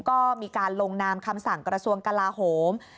ก็มีการลงนามคำสั่งกระทรวงกลาโหม